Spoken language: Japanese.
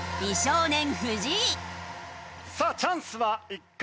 さあチャンスは１回。